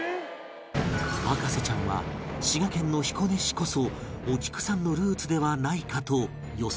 博士ちゃんは滋賀県の彦根市こそお菊さんのルーツではないかと予測